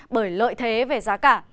bởi lợi thế về giá cả